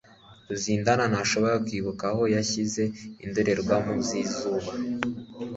Ruzindana ntashobora kwibuka aho yashyize indorerwamo zizuba.